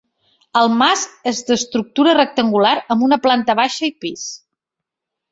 El mas és d'estructura rectangular amb planta baixa i pis.